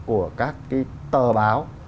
của các cái tờ báo